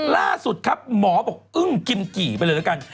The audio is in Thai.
ล่าสุดครับหมอบอกอึ้งกิมกี่ไปเลยแล้วกัน